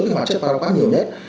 cái hoạt chất paraquat nhiều nhất